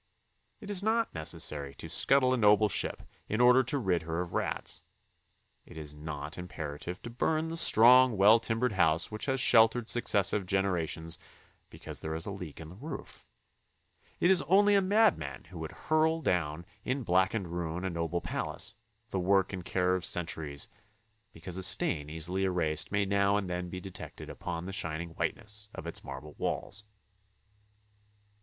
It is not necessary to scuttle a noble ship in order to rid her of rats; it is not imperative to burn the strong, well timbered house which has sheltered successive genera tions because there is a leak in the roof; it is only a madman who would hurl down in blackened ruin a noble palace, the work and care of centuries, because a stain easily erased may now and then be detected upon the shining whiteness of its marble walls.